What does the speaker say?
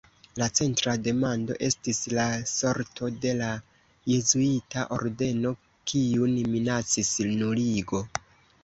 La centra demando estis la sorto de la jezuita ordeno, kiun minacis nuligo.